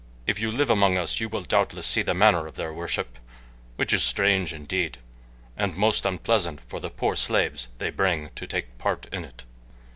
If you live among us you will doubtless see the manner of their worship, which is strange indeed, and most unpleasant for the poor slaves they bring to take part in it."